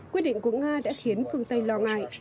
quyết định của nga đã khiến phương tây lo ngại